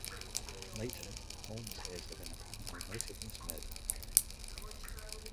Later, Holmes hears of an apparently motiveless murder.